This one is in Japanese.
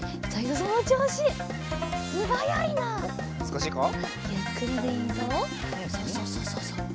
そうそうそうそうそう。